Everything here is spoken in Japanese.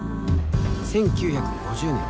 １９５０年